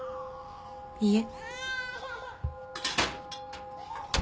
いいえ。